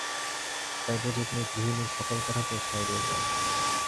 তাই বুঝি তুমি গৃহিণীর সকল কথাতেই সায় দিয়ে যাও।